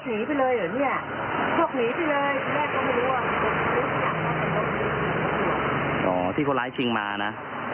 พวกหนีไปเลยที่แม่ก็ไม่รู้ว่าอ๋อที่คนร้ายชิงมาน่ะ